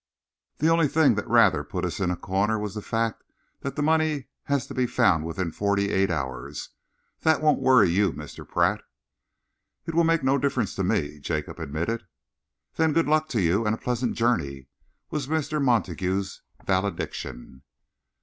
The only thing that rather put us in a corner was the fact that the money has to be found within forty eight hours. That won't worry you, Mr. Pratt." "It will make no difference to me," Jacob admitted. "Then good luck to you and a pleasant journey," was Mr. Montague's valediction.